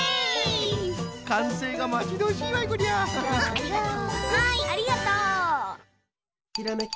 ありがとう！